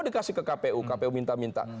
dikasih ke kpu kpu minta minta